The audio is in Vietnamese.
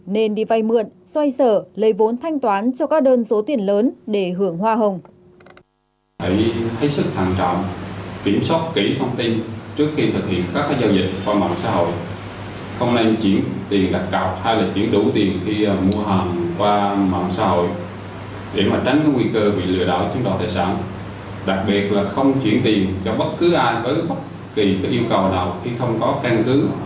nên đi vay mượn xoay sở lấy vốn thanh toán cho các đơn số tiền lớn để hưởng hoa hồng